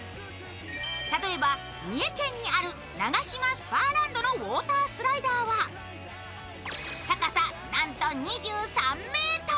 例えば、三重県にあるナガシマスパーランドのウォータースライダーは、高さなんと２３ｍ。